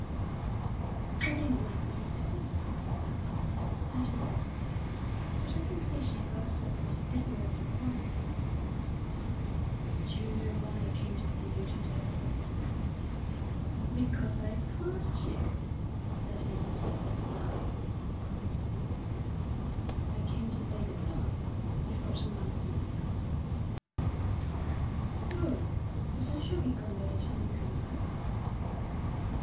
"I don't like east winds myself," said Mrs. Wallace. "But I can see she has all sorts of admirable qualities." "D'you know why I came to see you to day?" "Because I forced you," said Mrs. Wallace, laughing. "I came to say good bye; I've got a month's leave." "Oh, but I shall be gone by the time you come back."